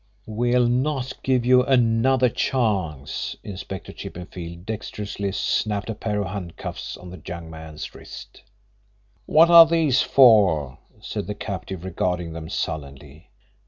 "We'll not give you another chance." Inspector Chippenfield dexterously snapped a pair of handcuffs on the young man's wrists. "What are these for?" said the captive, regarding them sullenly.